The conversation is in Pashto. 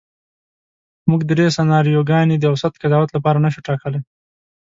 موږ درې سناریوګانې د اوسط قضاوت لپاره نشو ټاکلی.